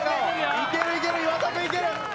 いけるいける岩田くんいける。